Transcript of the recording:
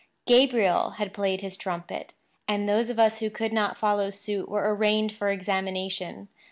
Gabriel had played his trump; and those of us who could not follow suit were arraigned for examination.